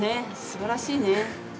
すばらしいね。